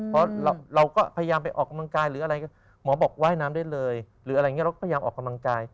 เพราะเราก็พยายามไปออกกำลังกายหรืออะไรหมอบอกว่ายน้ำได้เลยหรืออะไรอย่างนี้เราก็พยายามออกกำลังกาย